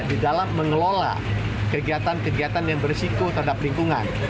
di dalam mengelola kegiatan kegiatan yang berisiko terhadap lingkungan